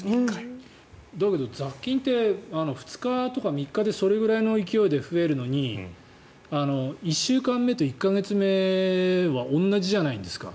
だけど雑菌って２日とか３日でそれぐらいの勢いで増えるのに１週間目と１か月目は同じじゃないんですか？